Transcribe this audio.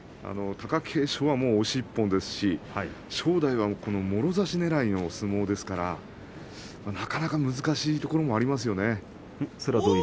貴景勝は押し１本ですし正代はもろ差しねらいの相撲ですからなかなか難しいところもありますよね。